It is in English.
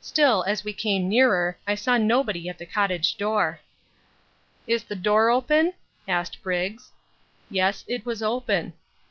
Still, as we came nearer, I saw nobody at the cottage door. "Is th' door open?" asked Briggs. Yes, it was open.